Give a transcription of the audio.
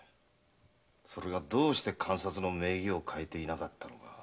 それがどうして鑑札の名義を代えていなかったのか？